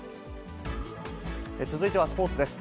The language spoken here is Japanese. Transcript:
続いてはスポーツです。